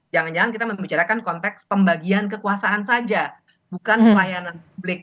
jangan jangan kita membicarakan konteks pembagian kekuasaan saja bukan pelayanan publik